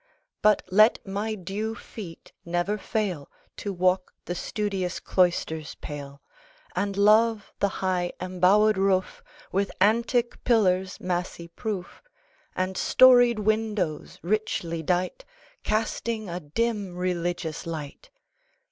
But let my due feet never fail To walk the studious cloister's pale, And love the high embowed roof, With antique pillars massy proof, And storied windows richly dight, Casting a dim religious light.